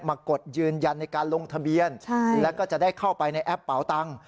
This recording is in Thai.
กดยืนยันในการลงทะเบียนแล้วก็จะได้เข้าไปในแอปเป๋าตังค์